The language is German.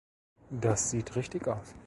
Das sieht richtig aus.